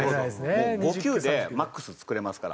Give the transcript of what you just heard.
もう５球でマックス作れますから。